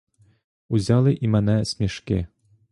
Узяли і мене смішки.